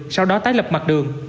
sau đó tái lập mặt đường